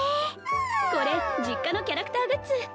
これ実家のキャラクターグッズ